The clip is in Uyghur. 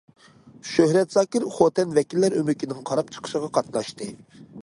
شۆھرەت زاكىر خوتەن ۋەكىللەر ئۆمىكىنىڭ قاراپ چىقىشىغا قاتناشتى.